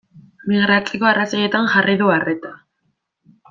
Migratzeko arrazoietan jarri du arreta.